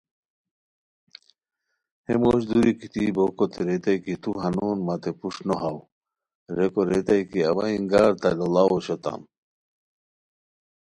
ہے موش دوری گیتی بوکوتے ریتائے کی تو ہنون متے پروشٹ نو ہاؤ، ریکو ریتائے کی اوا انگار تہ لوڑاؤ اوشوتام ریتائے